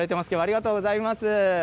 きょうはありがとうございます。